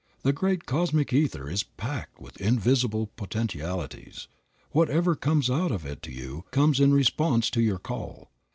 The great cosmic ether is packed with invisible potentialities. Whatever comes out of it to you comes in response to your call.